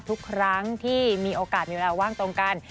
ทุกครั้งที่มีโอกาสมีเวลาว่างตรงกัน